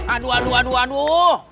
aduh aduh aduh